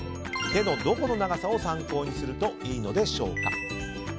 手のどこの長さを参考にするといいのでしょうか。